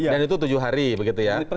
dan itu tujuh hari begitu ya